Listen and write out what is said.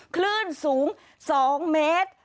คลื่นสูง๒เมตร